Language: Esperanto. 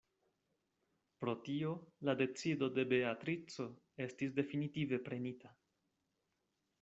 Pro tio la decido de Beatrico estis definitive prenita.